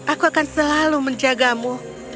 aku akan selalu menjagamu